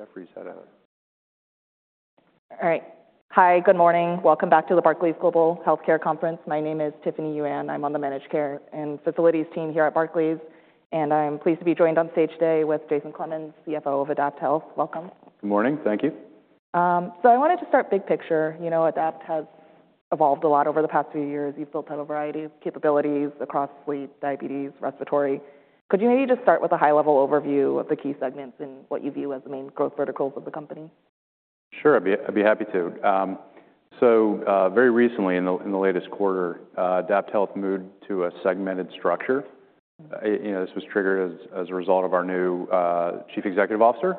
Jeffrey is that out. All right. Hi, good morning. Welcome back to the Barclays Global Healthcare Conference. My name is Tiffany Yuan. I'm on the Managed Care and Facilities team here at Barclays, and I'm pleased to be joined on stage today with Jason Clemens, CFO of AdaptHealth. Welcome. Good morning. Thank you. I wanted to start big picture. Adapt has evolved a lot over the past few years. You've built out a variety of capabilities across sleep, diabetes, respiratory. Could you maybe just start with a high-level overview of the key segments and what you view as the main growth verticals of the company? Sure. I'd be happy to. Very recently, in the latest quarter, AdaptHealth moved to a segmented structure. This was triggered as a result of our new Chief Executive Officer,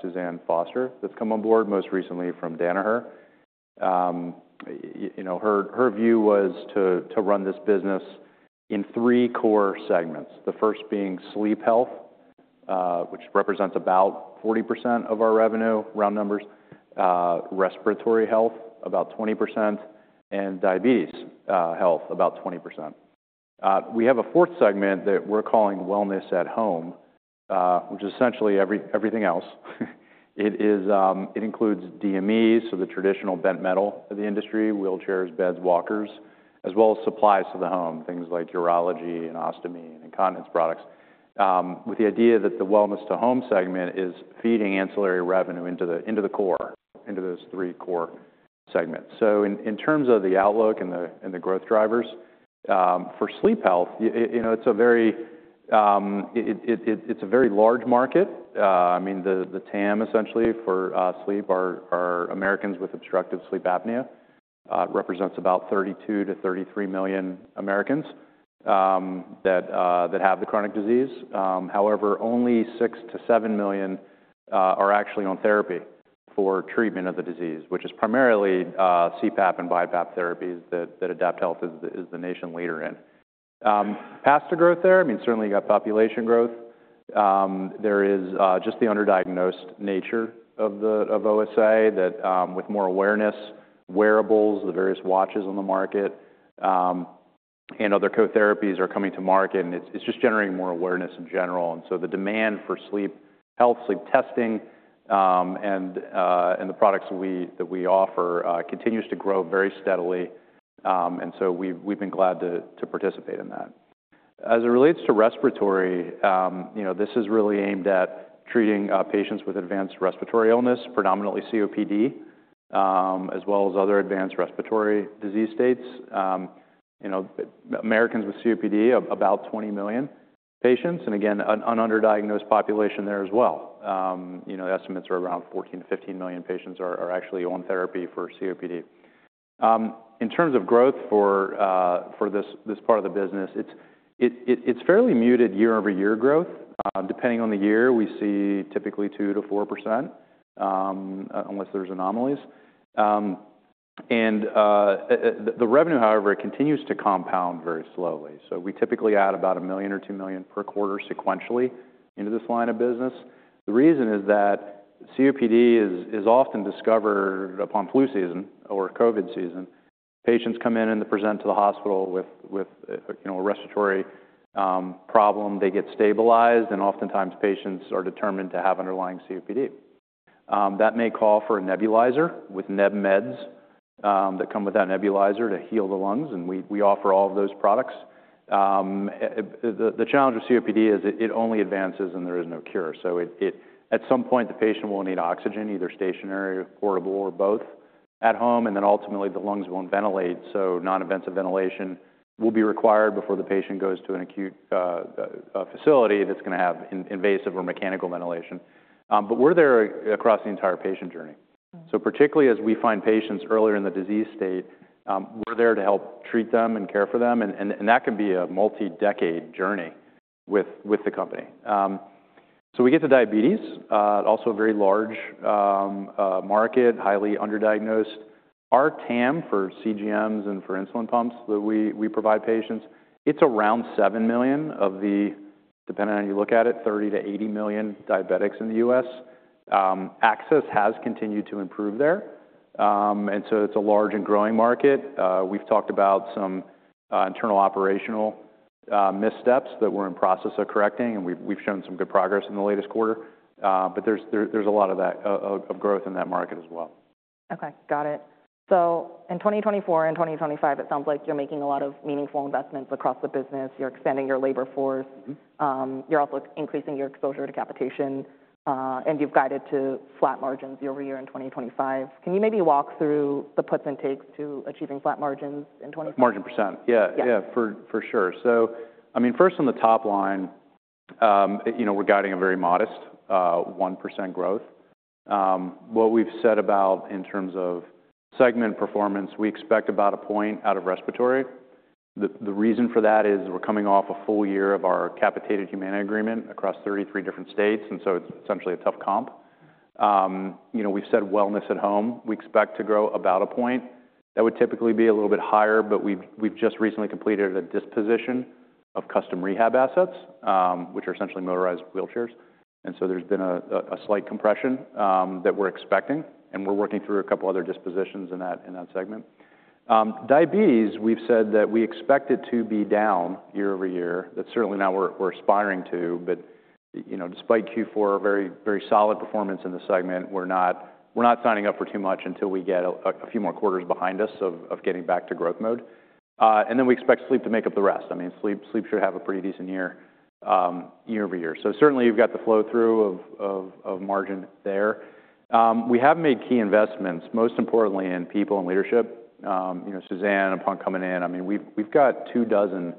Suzanne Foster, who has come on board most recently from Danaher. Her view was to run this business in three core segments, the first being sleep health, which represents about 40% of our revenue, round numbers; respiratory health, about 20%; and diabetes health, about 20%. We have a fourth segment that we're calling Wellness at Home, which is essentially everything else. It includes DMEs, so the traditional bent metal of the industry, wheelchairs, beds, walkers, as well as supplies to the home, things like urology and ostomy and incontinence products, with the idea that the Wellness at Home segment is feeding ancillary revenue into the core, into those three core segments. In terms of the outlook and the growth drivers for sleep health, it's a very large market. I mean, the TAM, essentially, for sleep, our Americans with obstructive sleep apnea, represents about 32-33 million Americans that have the chronic disease. However, only 6-7 million are actually on therapy for treatment of the disease, which is primarily CPAP and BiPAP therapies that AdaptHealth is the nation leader in. Past the growth there, I mean, certainly you got population growth. There is just the underdiagnosed nature of OSA that, with more awareness, wearables, the various watches on the market, and other co-therapies are coming to market, and it's just generating more awareness in general. The demand for sleep health, sleep testing, and the products that we offer continues to grow very steadily. We have been glad to participate in that. As it relates to respiratory, this is really aimed at treating patients with advanced respiratory illness, predominantly COPD, as well as other advanced respiratory disease states. Americans with COPD, about 20 million patients, and again, an underdiagnosed population there as well. The estimates are around 14-15 million patients are actually on therapy for COPD. In terms of growth for this part of the business, it's fairly muted year-over-year growth. Depending on the year, we see typically 2%-4%, unless there's anomalies. The revenue, however, continues to compound very slowly. We typically add about $1 million or $2 million per quarter sequentially into this line of business. The reason is that COPD is often discovered upon flu season or COVID season. Patients come in and present to the hospital with a respiratory problem. They get stabilized, and oftentimes patients are determined to have underlying COPD. That may call for a nebulizer with neb meds that come with that nebulizer to heal the lungs, and we offer all of those products. The challenge with COPD is it only advances and there is no cure. At some point, the patient will need oxygen, either stationary, portable, or both at home, and ultimately the lungs will not ventilate. Non-invasive ventilation will be required before the patient goes to an acute facility that is going to have invasive or mechanical ventilation. We are there across the entire patient journey. Particularly as we find patients earlier in the disease state, we are there to help treat them and care for them, and that can be a multi-decade journey with the company. We get to diabetes, also a very large market, highly underdiagnosed. Our TAM for CGMs and for insulin pumps that we provide patients, it's around 7 million of the, depending on how you look at it, 30-80 million diabetics in the U.S. Access has continued to improve there, and so it's a large and growing market. We've talked about some internal operational missteps that we're in the process of correcting, and we've shown some good progress in the latest quarter. There is a lot of that growth in that market as well. Okay. Got it. In 2024 and 2025, it sounds like you're making a lot of meaningful investments across the business. You're expanding your labor force. You're also increasing your exposure to capitation, and you've guided to flat margins year-over-year in 2025. Can you maybe walk through the puts and takes to achieving flat margins in 2025? Margin percent. Yeah. Yeah, for sure. I mean, first on the top line, we're guiding a very modest 1% growth. What we've said about in terms of segment performance, we expect about a point out of respiratory. The reason for that is we're coming off a full year of our capitated Humana agreement across 33 different states, and so it's essentially a tough comp. We've said wellness at home, we expect to grow about a point. That would typically be a little bit higher, but we've just recently completed a disposition of custom rehab assets, which are essentially motorized wheelchairs. There's been a slight compression that we're expecting, and we're working through a couple of other dispositions in that segment. Diabetes, we've said that we expect it to be down year-over-year. That's certainly not what we're aspiring to, but despite Q4, very solid performance in the segment, we're not signing up for too much until we get a few more quarters behind us of getting back to growth mode. Then we expect sleep to make up the rest. I mean, sleep should have a pretty decent year year-over-year. Certainly you've got the flow through of margin there. We have made key investments, most importantly in people and leadership. Suzanne, upon coming in, I mean, we've got two dozen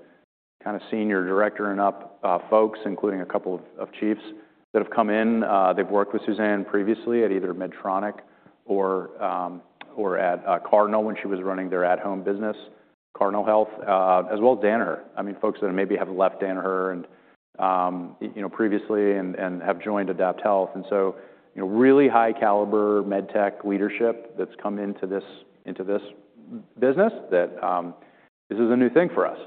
kind of senior director and up folks, including a couple of chiefs that have come in. They've worked with Suzanne previously at either Medtronic or at Cardinal when she was running their at-home business, Cardinal Health, as well as Danaher. I mean, folks that maybe have left Danaher previously and have joined AdaptHealth. Really high-caliber med tech leadership has come into this business, and this is a new thing for us.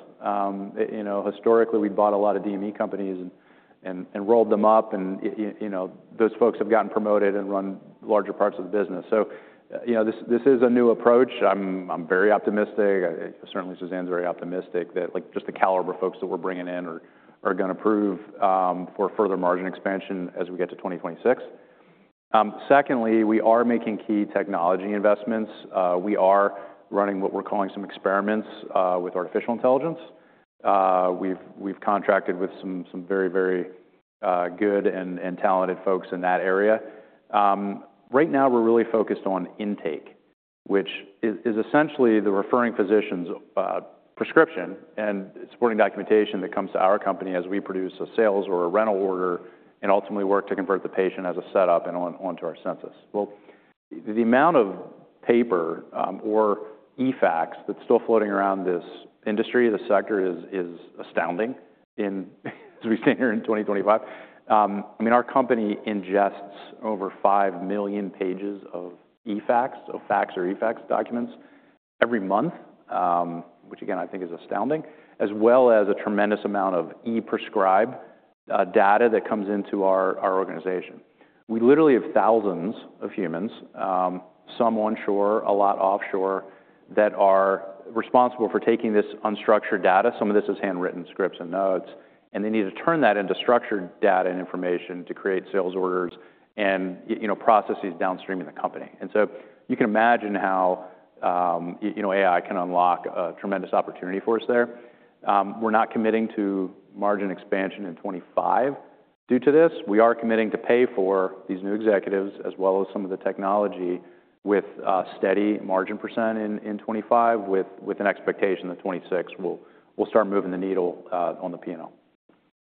Historically, we bought a lot of DME companies and rolled them up, and those folks have gotten promoted and run larger parts of the business. So this is a new approach. I'm very optimistic. Certainly, Suzanne's very optimistic that just the caliber folks that we're bringing in are going to prove for further margin expansion as we get to 2026. Secondly, we are making key technology investments. We are running what we're calling some experiments with artificial intelligence. We've contracted with some very, very good and talented folks in that area. Right now, we're really focused on intake, which is essentially the referring physician's prescription and supporting documentation that comes to our company as we produce a sales or a rental order and ultimately work to convert the patient as a setup and onto our census. The amount of paper or eFax that's still floating around this industry, this sector is astounding as we stand here in 2025. I mean, our company ingests over 5 million pages of eFax, so fax or eFax documents, every month, which again, I think is astounding, as well as a tremendous amount of ePrescribe data that comes into our organization. We literally have thousands of humans, some onshore, a lot offshore, that are responsible for taking this unstructured data. Some of this is handwritten scripts and notes, and they need to turn that into structured data and information to create sales orders and processes downstream in the company. You can imagine how AI can unlock a tremendous opportunity for us there. We're not committing to margin expansion in 2025 due to this. We are committing to pay for these new executives as well as some of the technology with steady margin % in 2025, with an expectation that 2026 we'll start moving the needle on the P&L.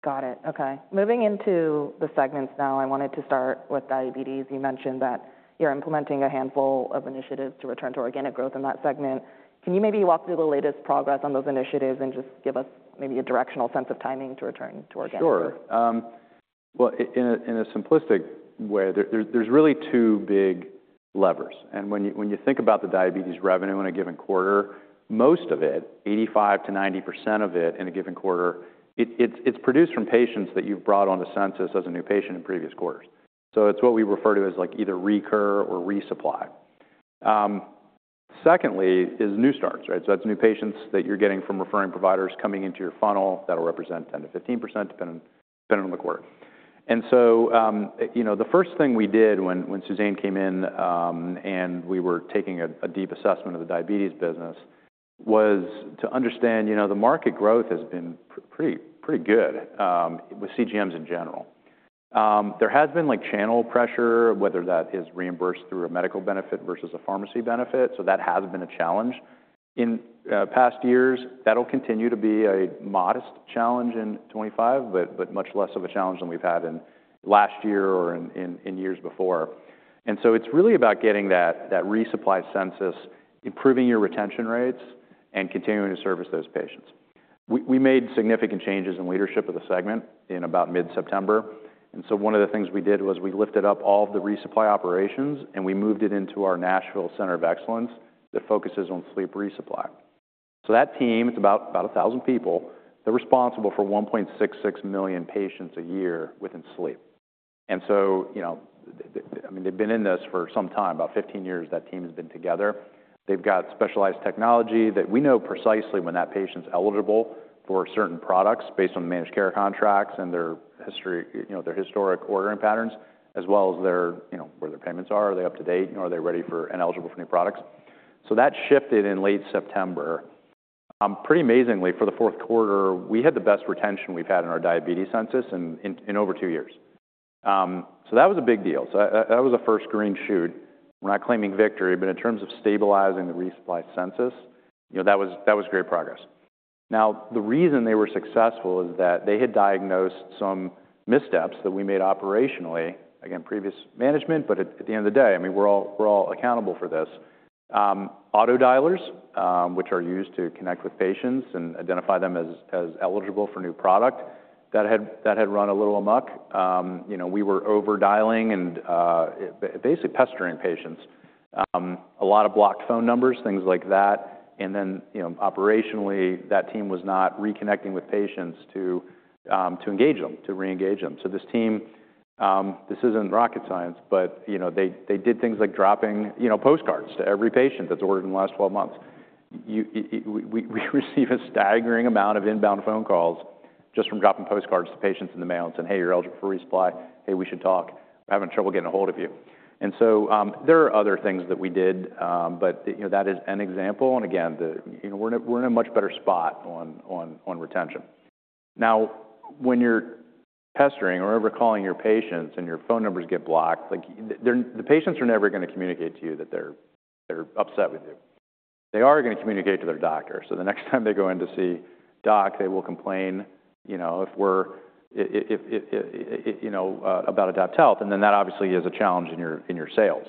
Got it. Okay. Moving into the segments now, I wanted to start with diabetes. You mentioned that you're implementing a handful of initiatives to return to organic growth in that segment. Can you maybe walk through the latest progress on those initiatives and just give us maybe a directional sense of timing to return to organic growth? Sure. In a simplistic way, there are really two big levers. When you think about the diabetes revenue in a given quarter, most of it, 85%-90% of it in a given quarter, is produced from patients that you have brought onto census as a new patient in previous quarters. So it is what we refer to as either recur or resupply. Secondly is new starts, right? That is new patients that you are getting from referring providers coming into your funnel that will represent 10%-15%, depending on the quarter. The first thing we did when Suzanne came in and we were taking a deep assessment of the diabetes business was to understand the market growth has been pretty good with CGMs in general. There has been channel pressure, whether that is reimbursed through a medical benefit versus a pharmacy benefit. That has been a challenge in past years. That'll continue to be a modest challenge in 2025, but much less of a challenge than we've had in last year or in years before. It's really about getting that resupply census, improving your retention rates, and continuing to service those patients. We made significant changes in leadership of the segment in about mid-September. One of the things we did was we lifted up all of the resupply operations and we moved it into our Nashville Center of Excellence that focuses on sleep resupply. That team, it's about 1,000 people, they're responsible for 1.66 million patients a year within sleep. I mean, they've been in this for some time, about 15 years that team has been together. They've got specialized technology that we know precisely when that patient's eligible for certain products based on the managed care contracts and their historic ordering patterns, as well as where their payments are, are they up to date, are they ready and eligible for new products. That shifted in late September. Pretty amazingly, for the Q4, we had the best retention we've had in our diabetes census in over two years. That was a big deal. That was a first green shoot. We're not claiming victory, but in terms of stabilizing the resupply census, that was great progress. Now, the reason they were successful is that they had diagnosed some missteps that we made operationally, again, previous management, but at the end of the day, I mean, we're all accountable for this. Auto dialers, which are used to connect with patients and identify them as eligible for new product, that had run a little amok. We were over dialing and basically pestering patients. A lot of blocked phone numbers, things like that. Operationally, that team was not reconnecting with patients to engage them, to reengage them. This team, this isn't rocket science, but they did things like dropping postcards to every patient that's ordered in the last 12 months. We receive a staggering amount of inbound phone calls just from dropping postcards to patients in the mail and saying, "Hey, you're eligible for resupply. Hey, we should talk. We're having trouble getting a hold of you." There are other things that we did, but that is an example. Again, we're in a much better spot on retention. Now, when you're pestering or overcalling your patients and your phone numbers get blocked, the patients are never going to communicate to you that they're upset with you. They are going to communicate to their doctor. The next time they go in to see doc, they will complain if we're about AdaptHealth, and that obviously is a challenge in your sales.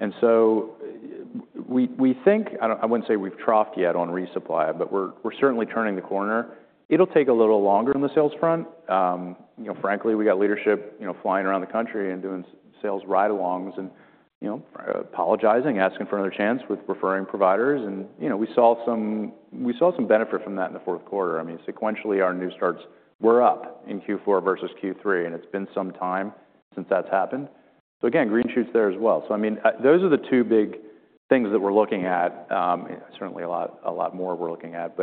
And so we think, I wouldn't say we've troughed yet on resupply, but we're certainly turning the corner. It'll take a little longer on the sales front. Frankly, we got leadership flying around the country and doing sales ride alongs. You know, apologizing, asking for another chance with referring providers. We saw some benefit from that in the Q4. I mean, sequentially, our new starts were up in Q4 versus Q3, and it's been some time since that's happened. Again, green shoots there as well. So I mean, those are the two big things that we're looking at. Certainly a lot more we're looking at.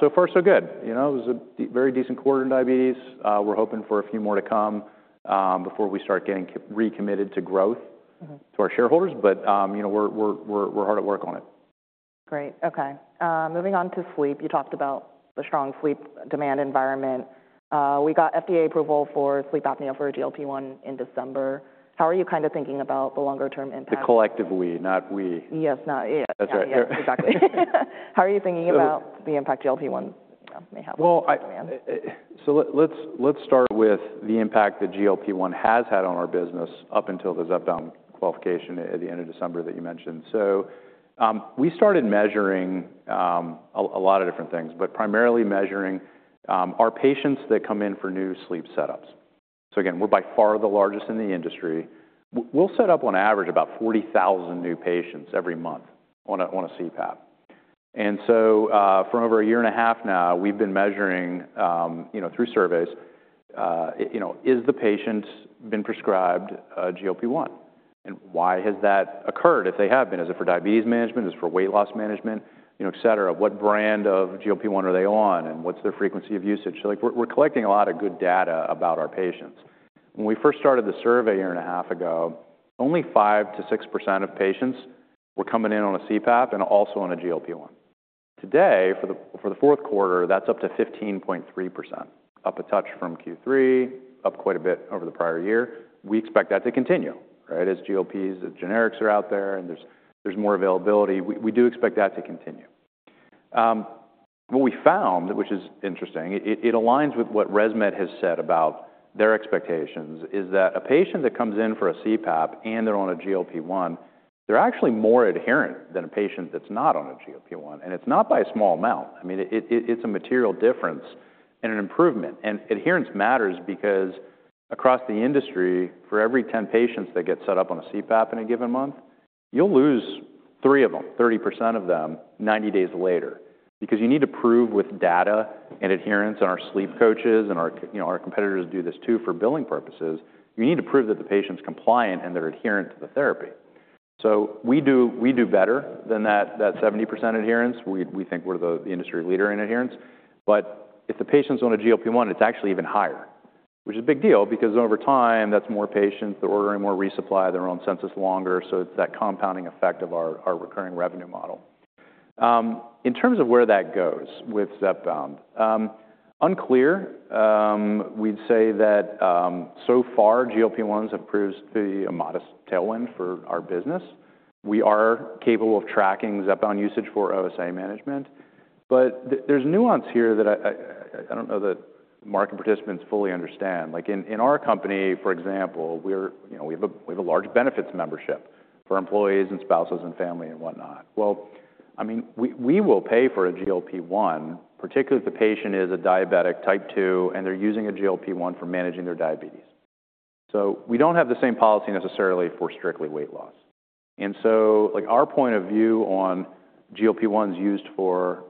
So far, so good. It was a very decent quarter in diabetes. We're hoping for a few more to come before we start getting recommitted to growth to our shareholders, but we're hard at work on it. Great. Okay. Moving on to sleep, you talked about the strong sleep demand environment. We got FDA approval for sleep apnea for a GLP-1 in December. How are you kind of thinking about the longer-term impact? The collective we, not we. Yes. That's right. Exactly. How are you thinking about the impact GLP-1 may have on demand? Let's start with the impact that GLP-1 has had on our business up until the Zepbound qualification at the end of December that you mentioned. We started measuring a lot of different things, but primarily measuring our patients that come in for new sleep setups. Again, we're by far the largest in the industry. We'll set up on average about 40,000 new patients every month on a CPAP. For over a year and a half now, we've been measuring through surveys, has the patient been prescribed GLP-1? Why has that occurred? If they have been, is it for diabetes management? Is it for weight loss management, etc.? What brand of GLP-1 are they on? What's their frequency of usage? We're collecting a lot of good data about our patients. When we first started the survey a year and a half ago, only 5%-6% of patients were coming in on a CPAP and also on a GLP-1. Today, for the Q4, that's up to 15.3%, up a touch from Q3, up quite a bit over the prior year. We expect that to continue, right? As GLPs, as generics are out there and there's more availability, we do expect that to continue. What we found, which is interesting, it aligns with what ResMed has said about their expectations, is that a patient that comes in for a CPAP and they're on a GLP-1, they're actually more adherent than a patient that's not on a GLP-1. And it's not by a small amount. I mean, it's a material difference and an improvement. Adherence matters because across the industry, for every 10 patients that get set up on a CPAP in a given month, you'll lose three of them, 30% of them, 90 days later because you need to prove with data and adherence on our sleep coaches and our competitors do this too for billing purposes. You need to prove that the patient's compliant and they're adherent to the therapy. We do better than that 70% adherence. We think we're the industry leader in adherence. If the patient's on a GLP-1, it's actually even higher, which is a big deal because over time, that's more patients that are ordering more resupply, their own census longer. It's that compounding effect of our recurring revenue model. In terms of where that goes with Zepbound, unclear. We'd say that so far, GLP-1s have proved to be a modest tailwind for our business. We are capable of tracking Zepbound usage for OSA management. There is nuance here that I don't know that market participants fully understand. In our company, for example, we have a large benefits membership for employees and spouses and family and whatnot. I mean, we will pay for a GLP-1, particularly if the patient is a diabetic type 2 and they're using a GLP-1 for managing their diabetes. We don't have the same policy necessarily for strictly weight loss. Our point of view on GLP-1s used for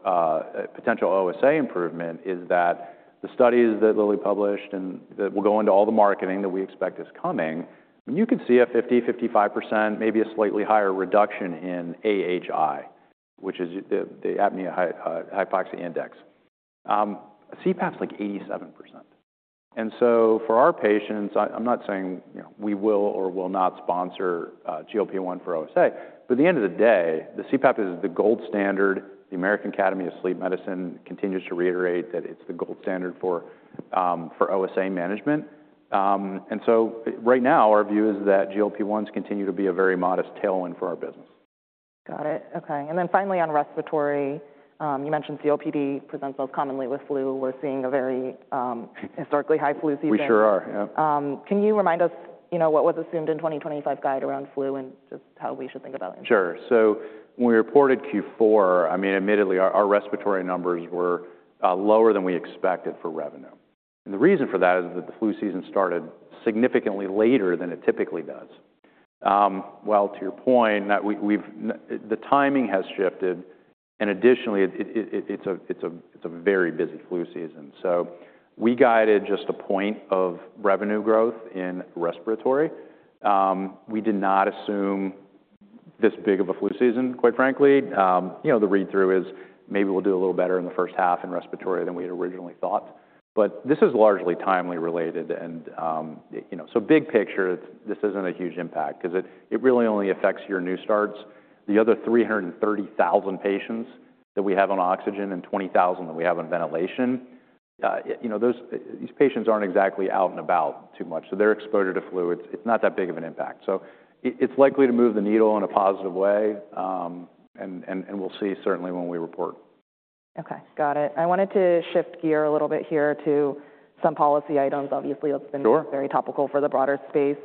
potential OSA improvement is that the studies that Lilly published and that will go into all the marketing that we expect is coming, you could see a 50%-55%, maybe a slightly higher reduction in AHI, which is the Apnea-Hypopnea Index. CPAP's like 87%. For our patients, I'm not saying we will or will not sponsor GLP-1 for OSA, but at the end of the day, the CPAP is the gold standard. The American Academy of Sleep Medicine continues to reiterate that it's the gold standard for OSA management. Right now, our view is that GLP-1s continue to be a very modest tailwind for our business. Got it. Okay. Finally, on respiratory, you mentioned COPD presents most commonly with flu. We're seeing a very historically high flu season. We sure are. Yeah. Can you remind us what was assumed in the 2025 guide around flu and just how we should think about it? Sure. So when we reported Q4, I mean, admittedly, our respiratory numbers were lower than we expected for revenue. The reason for that is that the flu season started significantly later than it typically does. Well to your point, the timing has shifted and additionally, it's a very busy flu season. We guided just a point of revenue growth in respiratory. We did not assume this big of a flu season, quite frankly. The read-through is maybe we'll do a little better in the first half in respiratory than we had originally thought. This is largely timely related. Big picture, this isn't a huge impact because it really only affects your new starts. The other 330,000 patients that we have on oxygen and 20,000 that we have on ventilation, these patients aren't exactly out and about too much. So they're exposed to fluids. It's not that big of an impact. It is likely to move the needle in a positive way. We'll see certainly when we report. Okay. Got it. I wanted to shift gear a little bit here to some policy items. Obviously, it's been very topical for the broader space.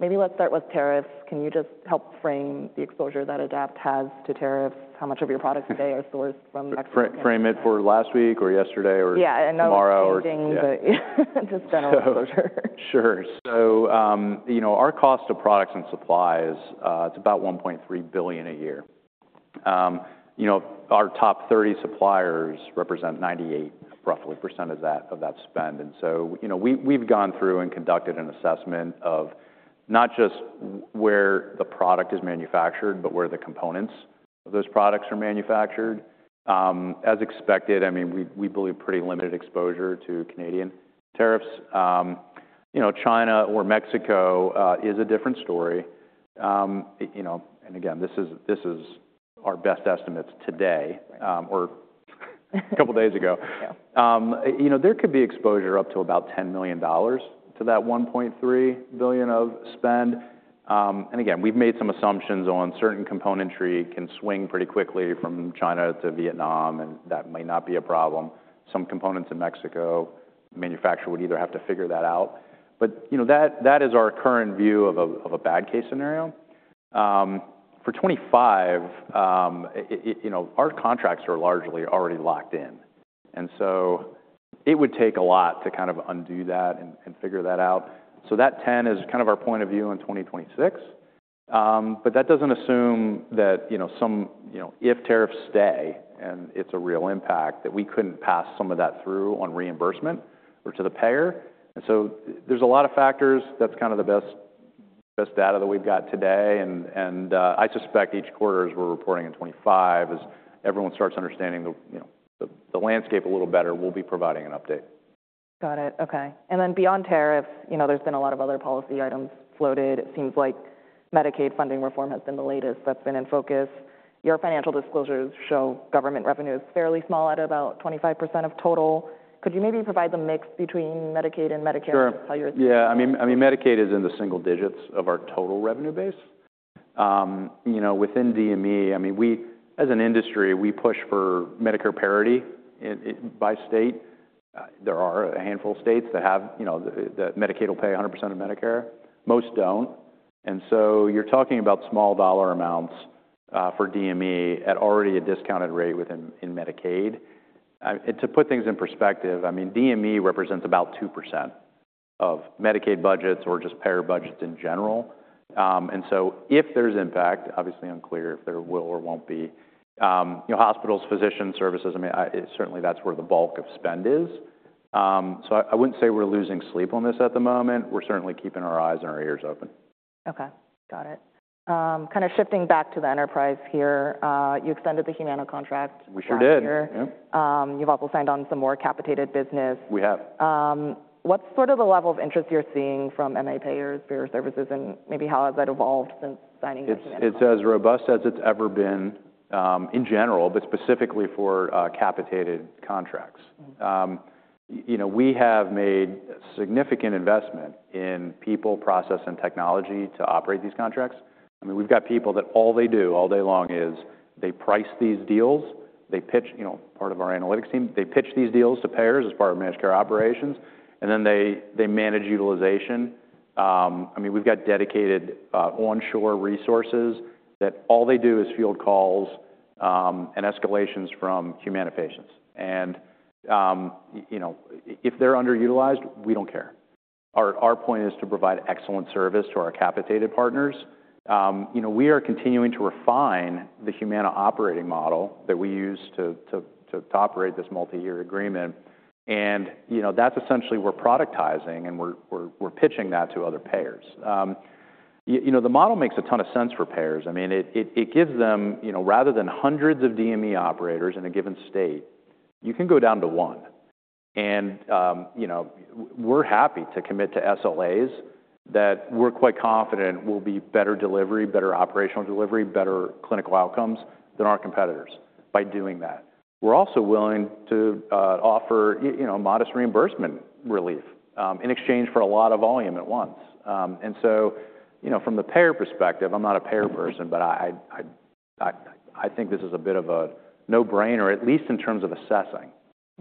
Maybe let's start with tariffs. Can you just help frame the exposure that AdaptHealth has to tariffs? How much of your products today are sourced from Mexico? Frame it for last week or yesterday or tomorrow or. Yeah. Just general exposure. Sure. Our cost of products and supplies, it's about $1.3 billion a year. Our top 30 suppliers represent 98%, roughly, of that spend. We have gone through and conducted an assessment of not just where the product is manufactured, but where the components of those products are manufactured. As expected, I mean, we believe pretty limited exposure to Canadian tariffs. China or Mexico is a different story. This is our best estimates today or a couple of days ago. There could be exposure up to about $10 million to that $1.3 billion of spend. We have made some assumptions on certain componentry that can swing pretty quickly from China to Vietnam, and that might not be a problem. Some components in Mexico, the manufacturer would either have to figure that out. That is our current view of a bad case scenario. For 2025, our contracts are largely already locked in. It would take a lot to kind of undo that and figure that out. That 10 is kind of our point of view in 2026. That does not assume that if tariffs stay and it is a real impact, we could not pass some of that through on reimbursement or to the payer. There are a lot of factors. That is kind of the best data that we have got today. And I suspect each quarter as we are reporting in 2025, as everyone starts understanding the landscape a little better, we will be providing an update. Got it. Okay. Beyond tariffs, there's been a lot of other policy items floated. It seems like Medicaid funding reform has been the latest that's been in focus. Your financial disclosures show government revenue is fairly small at about 25% of total. Could you maybe provide the mix between Medicaid and Medicare? Sure. Yeah. I mean, Medicaid is in the single digits of our total revenue base. You know, within DME, I mean, as an industry, we push for Medicare parity by state. There are a handful of states that have that Medicaid will pay 100% of Medicare. Most down. And so you are talking about small dollar amounts for DME at already a discounted rate in Medicaid. To put things in perspective, I mean, DME represents about 2% of Medicaid budgets or just payer budgets in general. If there is impact, obviously unclear if there will or will not be, hospitals, physician services, I mean, certainly that is where the bulk of spend is. So I would not say we are losing sleep on this at the moment. We are certainly keeping our eyes and our ears open. Okay. Got it. Kind of shifting back to the enterprise here, you extended the Humana contract last year. We sure did. Yeah. You've also signed on some more capitated business. We have. What's sort of the level of interest you're seeing from MA payers, payer services, and maybe how has that evolved since signing this? It's as robust as it's ever been in general, but specifically for capitated contracts. We have made a significant investment in people, process, and technology to operate these contracts. With that people that all they do all day long is they price these deals. They pitch part of our analytics team. They pitch these deals to payers as part of managed care operations, and then they manage utilization. I mean, we've got dedicated onshore resources that all they do is field calls and escalations from Humana patients. If they're underutilized, we don't care. Our point is to provide excellent service to our capitated partners. We are continuing to refine the Humana operating model that we use to operate this multi-year agreement. And that's essentially we're productizing and we're pitching that to other payers. You know, the model makes a ton of sense for payers. And it gives them, rather than hundreds of DME operators in a given state, you can go down to one. We are happy to commit to SLAs that we are quite confident will be better delivery, better operational delivery, better clinical outcomes than our competitors by doing that. We are also willing to offer modest reimbursement relief in exchange for a lot of volume at once. From the payer perspective, I am not a payer person, but I think this is a bit of a no-brainer, at least in terms of assessing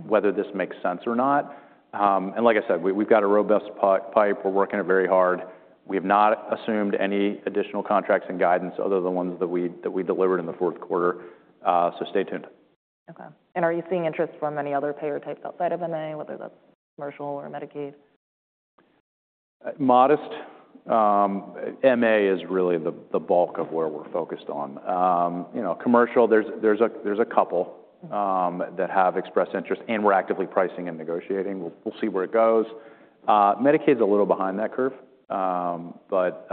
whether this makes sense or not. Like I said, we have got a robust pipe. We are working very hard. We have not assumed any additional contracts in guidance other than the ones that we delivered in the Q4. Stay tuned. Okay. Are you seeing interest from any other payer types outside of MA, whether that's commercial or Medicaid? Modest. MA is really the bulk of where we're focused on. Commercial, there's a couple that have expressed interest, and we're actively pricing and negotiating. We'll see where it goes. Medicaid's a little behind that curve, but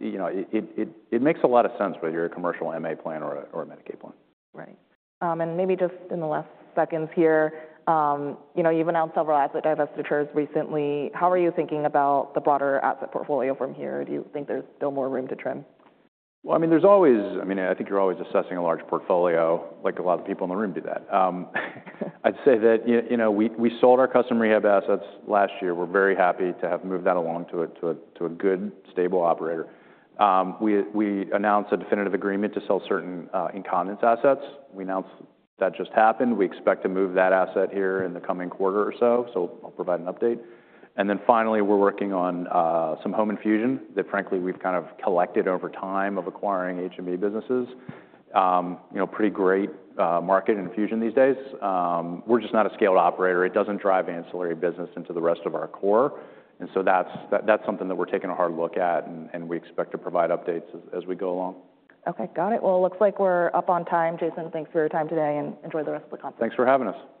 it makes a lot of sense whether you're a commercial MA plan or a Medicaid plan. Right. Maybe just in the last seconds here, you've announced several asset divestitures recently. How are you thinking about the broader asset portfolio from here? Do you think there's still more room to trim? Well, I mean, there's always--I mean, I think you're always assessing a large portfolio. A lot of people in the room do that. I'd say that we sold our custom rehab assets last year. We're very happy to have moved that along to a good, stable operator. We announced a definitive agreement to sell certain incontinence assets. We announced that just happened. We expect to move that asset here in the coming quarter or so. I'll provide an update. Finally, we're working on some home infusion that, frankly, we've kind of collected over time of acquiring HME businesses. Pretty great market infusion these days. We're just not a scaled operator. It doesn't drive ancillary business into the rest of our core. So that is something that we're taking a hard look at, and we expect to provide updates as we go along. Okay. Got it. It looks like we're up on time. Jason, thanks for your time today, and enjoy the rest of the conference. Thanks for having us.